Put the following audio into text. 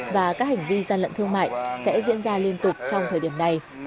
và các hành vi gian lận thương mại sẽ diễn ra liên tục trong thời điểm này